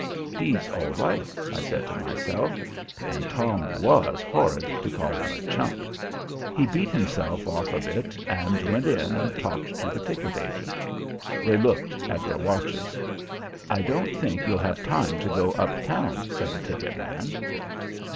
He's all right, I said to myself, and Tom was horrid to call him a "chump." He beat himself off a bit, and went in and talked to the ticket agent. They looked at their watches. "I don't think you'll have time to go uptown," said the ticket man.